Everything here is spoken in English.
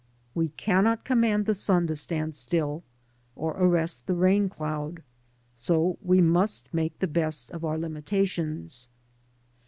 We cannot command the sun to stand still, or arrest the rain cloud, so we f must make the best of our limitations.